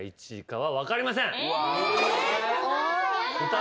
え！